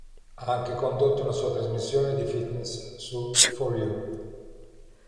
Ha anche condotto una sua trasmissione di fitness su For You.